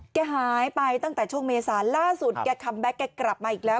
แกหายไปตั้งแต่ช่วงเมษาล่าสุดแกคัมแก๊กแกกลับมาอีกแล้ว